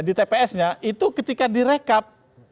di tpsnya itu ketika direkap